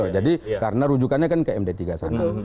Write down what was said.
jadi karena rujukannya kan ke md tiga sana